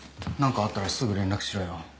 何かあったらすぐ連絡しろよ。